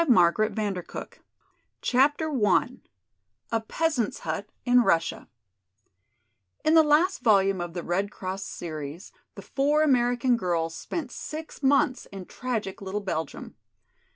THE REUNION 256 CHAPTER I A Peasant's Hut in Russia In the last volume of the Red Cross series the four American girls spent six months in tragic little Belgium.